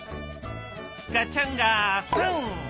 ガチャンガフン！